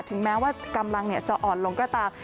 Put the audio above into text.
ถึงแม้ว่ากำลังจะอ่อนลงก็ตาม